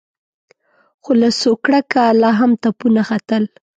خو له سوکړکه لا هم تپونه ختل.